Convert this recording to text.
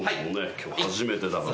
今日初めてだから。